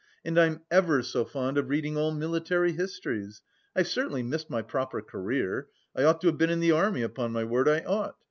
And I'm ever so fond of reading all military histories. I've certainly missed my proper career. I ought to have been in the army, upon my word I ought.